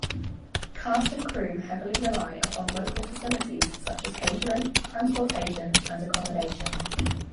Cast and crew heavily rely upon local facilities such as catering, transportation, and accommodations.